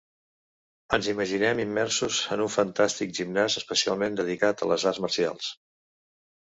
Ens imaginem immersos en un fantàstic gimnàs especialment dedicat a les arts marcials.